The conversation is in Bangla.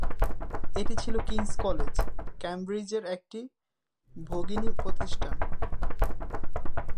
এটি ছিল কিং’স কলেজ, কেমব্রিজের একটি ভগিনী প্রতিষ্ঠান।